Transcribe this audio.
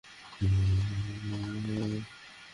দাঁত থাকতে তোমরা যে দাঁতের মর্যাদা বুঝছ না, এই আপসোস।